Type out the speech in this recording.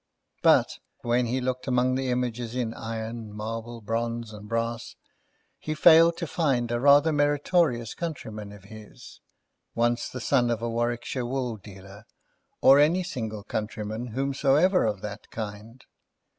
But, when he looked among the images in iron, marble, bronze, and brass, he failed to find a rather meritorious countryman of his, once the son of a Warwickshire wool dealer, or any single countryman whomsoever of that kind.